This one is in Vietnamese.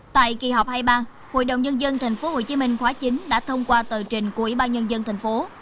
tại kỳ họp hai mươi ba hội đồng nhân dân tp hcm khóa chín đã thông qua tờ trình của ủy ban nhân dân tp